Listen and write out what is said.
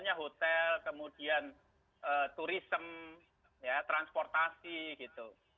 ya hotel kemudian turism ya transportasi gitu